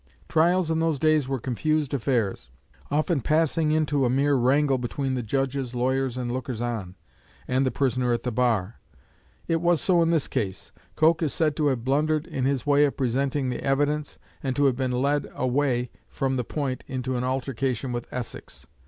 Trials in those days were confused affairs, often passing into a mere wrangle between the judges, lawyers, and lookers on, and the prisoner at the bar. It was so in this case. Coke is said to have blundered in his way of presenting the evidence, and to have been led away from the point into an altercation with Essex.